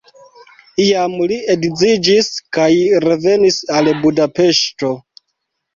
Iam li edziĝis kaj revenis al Budapeŝto.